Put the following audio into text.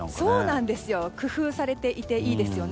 工夫されていていいですね。